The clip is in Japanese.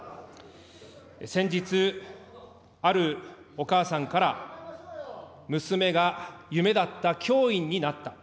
先日、あるお母さんから、娘が夢だった教員になった。